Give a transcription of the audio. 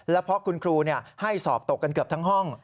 แล้วเพราะคุณครูเนี่ยให้สอบตกกันเกือบทั้งห้อง